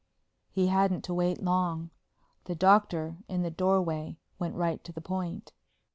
He hadn't to wait long. The Doctor, in the doorway, went right to the point.